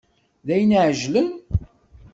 D ayen iεeǧlen?